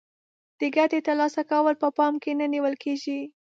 د ګټې تر لاسه کول په پام کې نه نیول کیږي.